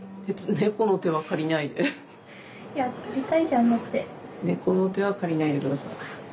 猫の手は借りないで下さい。